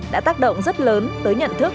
đã tác động rất lớn tới nhận thức